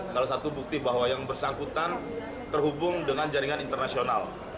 salah satu bukti bahwa yang bersangkutan terhubung dengan jaringan internasional